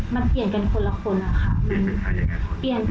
มันเปลี่ยนกันคนละคนนะคะ